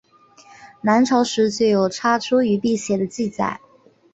南朝时就有插茱萸辟邪的记载。